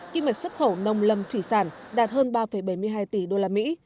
kinh mệnh xuất khẩu nông lâm thủy sản đạt hơn ba bảy mươi hai tỷ đô la mỹ